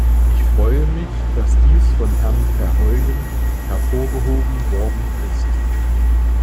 Ich freue mich, dass dies von Herrn Verheugen hervorgehoben worden ist.